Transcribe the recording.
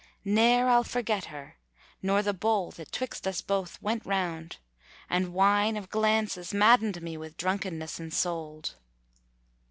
Ne'er I'll forget her nor the bowl that 'twixt us both went round * And wine of glances maddened me with drunkenness ensoul'd."